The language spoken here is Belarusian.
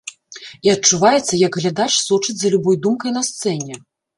І адчуваецца, як глядач сочыць за любой думкай на сцэне.